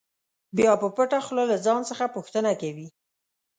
بیا پټه خوله له ځان څخه پوښتنه کوي.